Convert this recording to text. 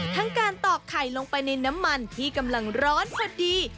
ทั้งการตอกไข่ลงไปในน้ำมันที่กำลังร้อนพอดี